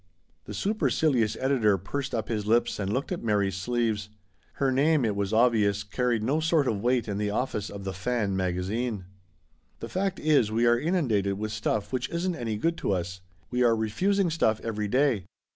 The supercilious editor pursed up his lips, and looked at Mary's sleeves. Her name, it was obvious, carried no sort of weight in the office of The Fan maga zine. " The fact is, we are inundated with stuff which isn't any good to us. We are refusing stuff every day.